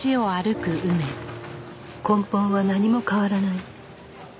根本は何も変わらない